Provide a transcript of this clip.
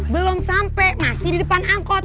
belum sampai masih di depan angkot